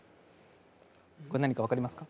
これ何か分かりますか？